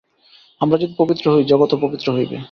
আমরা যদি পবিত্র হই, জগৎও পবিত্র হইবে।